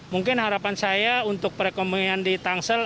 mungkin harapan saya untuk perekonomian di tangsel